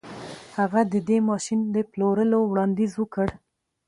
هغه د دې ماشين د پلورلو وړانديز وکړ.